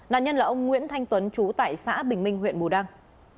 nạn nhân là ông nguyễn thanh tuấn chú tại xã bình minh huyện bù đăng